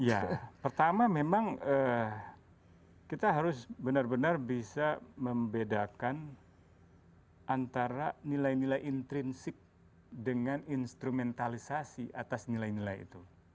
ya pertama memang kita harus benar benar bisa membedakan antara nilai nilai intrinsik dengan instrumentalisasi atas nilai nilai itu